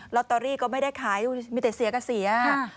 ลอตเตอรี่ก็ไม่ได้ขายมีแต่เสียก็เสีย